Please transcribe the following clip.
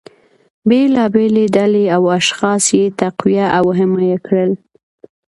بیلابیلې ډلې او اشخاص یې تقویه او حمایه کړل